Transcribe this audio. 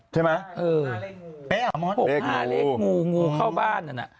๖๕เลขงูเดินงูงูเข้าบ้าน